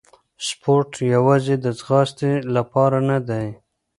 سپورت یوازې د ځغاستې لپاره نه دی.